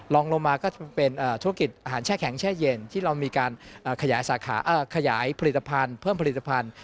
ลงมาก็เป็นธุรกิจอาหารแช่แข็งแช่เย็นที่เรามีการขยายผลิตภัณฑ์เพิ่มผลิตภัณฑ์